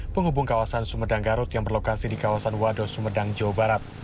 penghubung kawasan sumedang garut yang berlokasi di kawasan wado sumedang jawa barat